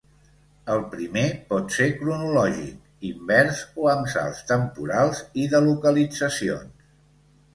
El primer pot ser cronològic, invers o amb salts temporals i de localitzacions.